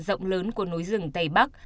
rộng lớn của núi rừng tây bắc